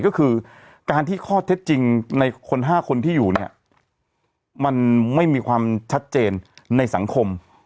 ก็คือการที่ข้อเท็จจริงในคน๕คนที่อยู่เนี่ยมันไม่มีความชัดเจนในสังคม